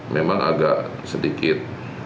memang agak sedikit